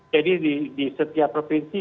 jadi di setiap provinsi